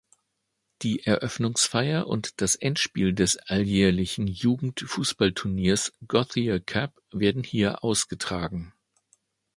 Die Eröffnungsfeier und das Endspiel des alljährlichen Jugend-Fußballturniers "Gothia Cup" werden hier ausgetragen.